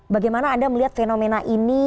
bagaimana anda melihat fenomena ini